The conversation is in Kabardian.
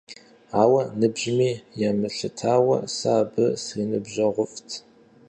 Ауэ, ныбжьми емылъытауэ, сэ абы сриныбжьэгъуфӀт.